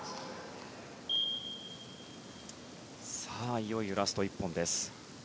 いよいよラスト１本です。